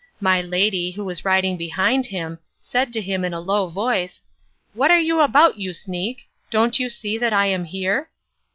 My lady, who was riding behind him, said to him in a low voice, 'What are you about, you sneak, don't you see that I am here?